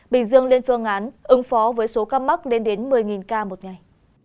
bình dương lên phương án ứng phó với số ca mắc lên đến một mươi ca một ngày